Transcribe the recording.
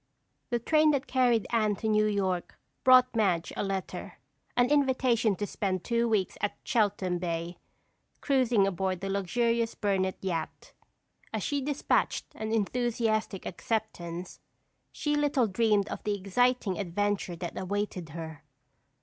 The train that carried Anne to New York brought Madge a letter—an invitation to spend two weeks at Cheltham Bay, cruising aboard the luxurious Burnett yacht. As she dispatched an enthusiastic acceptance, she little dreamed of the exciting adventure that awaited her.